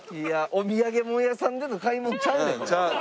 お土産物屋さんでの買い物ちゃうねん。